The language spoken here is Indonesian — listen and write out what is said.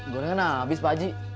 gorengan abis pak ji